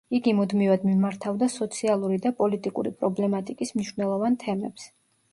იგი მუდმივად მიმართავდა სოციალური და პოლიტიკური პრობლემატიკის მნიშვნელოვან თემებს.